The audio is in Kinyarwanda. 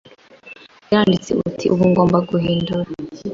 yaranditse ati’Ubu ngomba guhindura